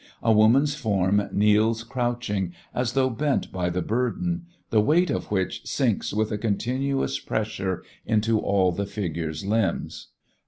A woman's form kneels crouching, as though bent by the burden, the weight of which sinks with a continuous pressure into all the figure's limbs.